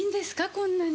こんなに。